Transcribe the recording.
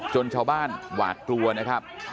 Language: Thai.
ชาวบ้านหวาดกลัวนะครับ